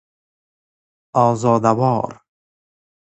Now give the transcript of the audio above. آزاده وار